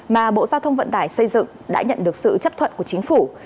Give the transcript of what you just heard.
mà bộ giao thông vận tải xây dựng đã nhận được sự chấp thuận của chính phủ